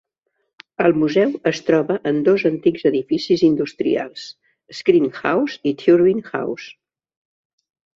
El museu es troba en dos antics edificis industrials, Screen House i Turbine House.